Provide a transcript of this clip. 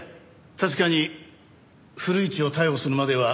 確かに古市を逮捕するまでは気を抜けない。